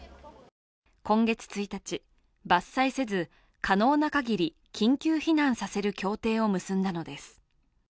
今月１日、伐採せず可能な限り緊急避難させる協定を結んだのです。